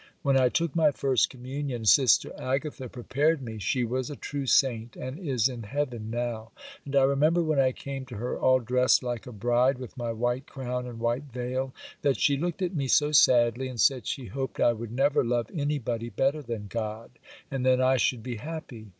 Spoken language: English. When I took my first communion, Sister Agatha prepared me. She was a true saint, and is in heaven now; and I remember when I came to her, all dressed like a bride, with my white crown and white veil, that she looked at me so sadly, and said she hoped I would never love anybody better than God, and then I should be happy.